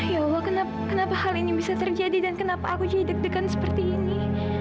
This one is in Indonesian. ya kenapa hal ini bisa terjadi dan kenapa aku jadi deg degan seperti ini